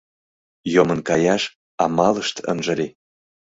Йомын каяш амалышт ынже лий.